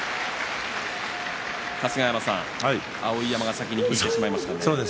春日山さん、碧山が先に引いてしまいましたね。